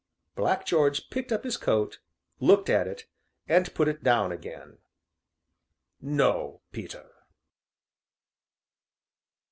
Black George picked up his coat, looked at it, and put it down again. "No, Peter!"